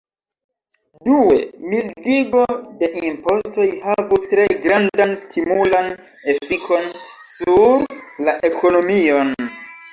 Due, mildigo de impostoj havus tre grandan stimulan efikon sur la ekonomion.